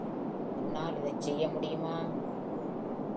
உன்னால் இதை செய்ய முடியுமா?